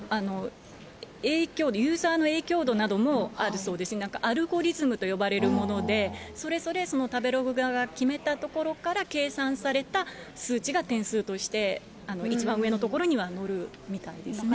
影響度、ユーザーの影響度などもあるそうですよ、なんかアルゴリズムと呼ばれるもので、それぞれ食べログ側が決めたところから計算された数値が点数として一番上のところには載るみたいですね。